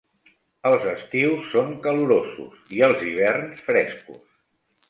Els estius són calorosos i els hiverns frescos.